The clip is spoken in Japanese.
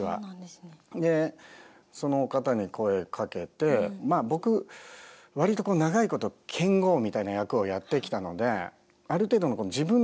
でその方に声かけてまあ僕割と長いこと剣豪みたいな役をやってきたのである程度の自分の動きやすい動きとか